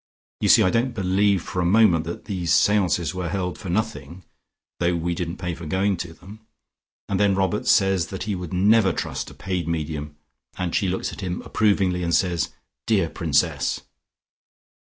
You see, I don't believe for a moment that these seances were held for nothing, though we didn't pay for going to them. And then Robert says that he would never trust a paid medium, and she looks at him approvingly, and says 'Dear Princess'!